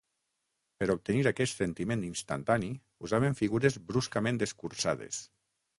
Per obtenir aquest sentiment instantani, usaven figures bruscament escurçades.